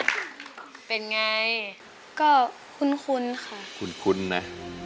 สีหน้าเป็นไงก็คุ้นคุ้นค่ะคุ้นคุ้นน่ะ